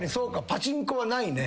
パチンコはないね。